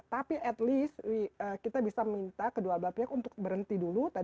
tapi at least kita bisa minta kedua belah pihak untuk berhenti dulu